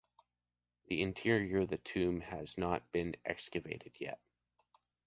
The interior of the tomb has not been excavated yet.